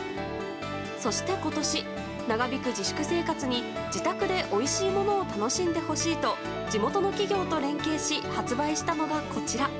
そして今年、長引く自粛生活に自宅で、おいしいものを楽しんでほしいと地元の企業と連携し発売したのがこちら。